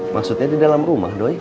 maksudnya di dalam rumah doy